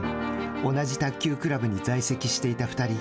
同じ卓球クラブに在籍していた２人。